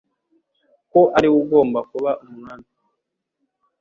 ko ari we ugomba kuba Umwami,